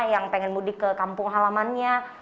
yang pengen mudik ke kampung halamannya